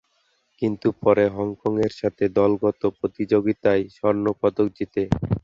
কিন্তু পরে হংকং এর সাথে দলগত প্রতিযোগিতায় স্বর্ণ পদক জিতে।